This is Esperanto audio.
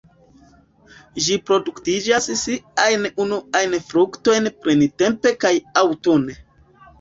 Ĝi produktas siajn unuajn fruktojn printempe kaj aŭtune.